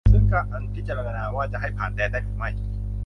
ซึ่งการพิจารณาว่าจะให้ผ่านแดนได้หรือไม่